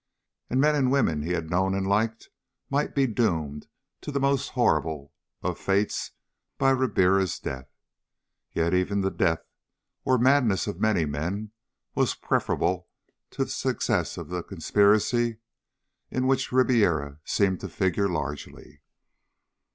And men and women he had known and liked might be doomed to the most horrible of fates by Ribiera's death. Yet even the death or madness of many men was preferable to the success of the conspiracy in which Ribiera seemed to figure largely.